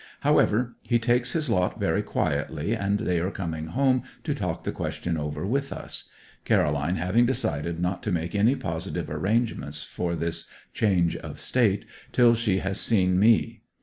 However, he takes his lot very quietly, and they are coming home to talk the question over with us; Caroline having decided not to make any positive arrangements for this change of state till she has seen me.